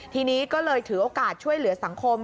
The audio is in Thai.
ทีนี้ก็เลยถือโอกาสช่วยเหลือสังคม